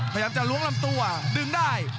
พยายามจะล้วงลำตัวดึงได้